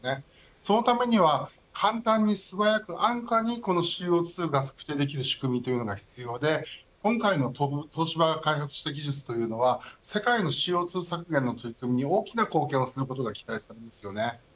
そのためには簡単に素早く安価にＣＯ２が測定できる仕組みが必要で今回の東芝が開発した技術は世界のＣＯ２削減の取り組みに大きな貢献をすることが期待されます。